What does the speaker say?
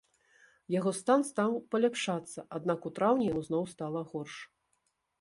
Яго стан стаў паляпшацца, аднак у траўні яму зноў стала горш.